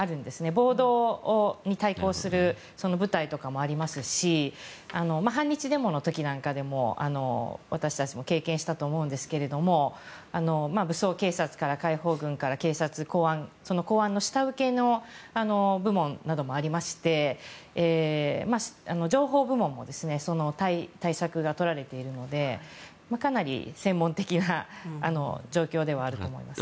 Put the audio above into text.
暴動に対抗する部隊とかもありますし反日デモの時なんかでも私たちも経験したと思うんですけど武装警察から解放軍から警察、公安その公安の下請けの部門などもありまして情報部門も対策が取られているのでかなり専門的な状況ではあると思います。